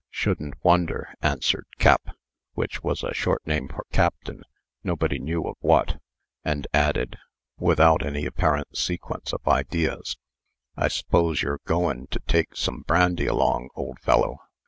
"Shouldn't wonder," answered Cap, which was a short name for Captain (nobody knew of what), and added, without any apparent sequence of ideas: "I s'pose you're goin' to take some brandy along, old fellow?